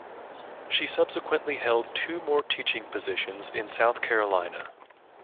She subsequently held two more teaching positions in South Carolina.